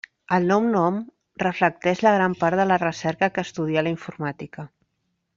El nou nom reflecteix la gran part de la recerca que estudia la informàtica.